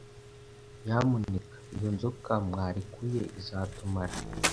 Nyamuneka Iyo Nzoka Mwarekuye Izatumara,